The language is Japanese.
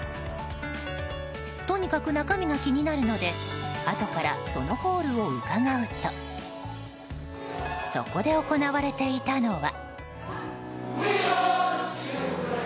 とにかく中身が気になるのであとからそのホールを伺うとそこで行われていたのは。